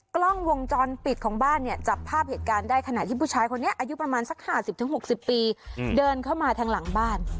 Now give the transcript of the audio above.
กล้องวงจรปิดของบ้านเนี่ยจับภาพเหตุการณ์ได้ขณะที่ผู้ชายคนนี้อายุประมาณสัก๕๐๖๐ปีเดินเข้ามาทางหลังบ้าน